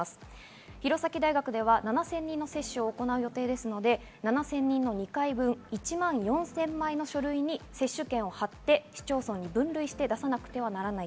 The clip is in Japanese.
弘前大学では７０００人接種を行う予定ですので、７０００人の２回分、１万４０００枚の書類に接種券を貼って市町村に分類して出さなければならない。